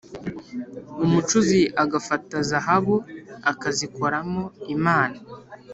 umucuzi agafata zahabu akazikoramo imana.